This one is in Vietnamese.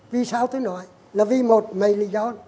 vì sao tôi nói là vì một mình lý do